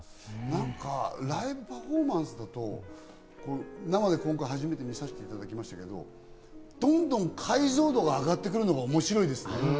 何かライブパフォーマンスだと、生で今回初めて見させていただきましたけど、どんどん解像度が上がってくるのが面白いですね。